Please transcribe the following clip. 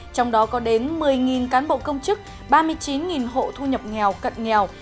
trong đó có đến một mươi cán bộ công chức ba mươi chín hộ thu nhập nghèo cận nghèo